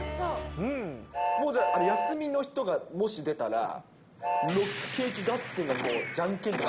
もうじゃあ、休みの人がもし出たら、ロックケーキ合戦が、じゃんけんとか。